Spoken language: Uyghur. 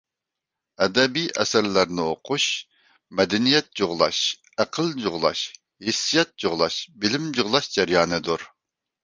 ئەدەبىي ئەسەرلەرنى ئوقۇش مەدەنىيەت جۇغلاش، ئەقىل جۇغلاش، ھېسسىيات جۇغلاش، بىلىم جۇغلاش جەريانىدۇر.